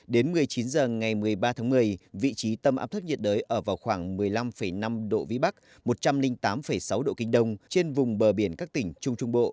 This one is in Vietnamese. đến một mươi chín h ngày một mươi ba tháng một mươi vị trí tâm áp thấp nhiệt đới ở vào khoảng một mươi năm năm độ vĩ bắc một trăm linh tám sáu độ kinh đông trên vùng bờ biển các tỉnh trung trung bộ